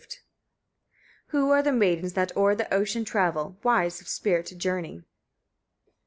Who are the maidens that o'er the ocean travel, wise of spirit, journey?